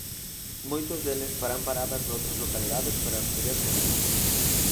Moitos deles farán paradas noutras localidades para recoller xente.